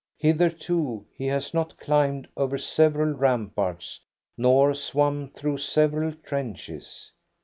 " Hitherto he has not climbed over several ramparts, nor swum through several trenches.